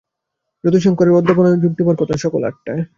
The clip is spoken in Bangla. যতিশংকরের অধ্যাপনায় ওর যোগ দেবার কথা সকাল আটটায়।